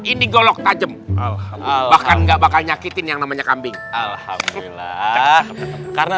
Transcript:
ini golok tajam bahkan enggak bakal nyakitin yang namanya kambing alhamdulillah karena